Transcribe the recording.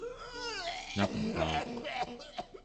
napauq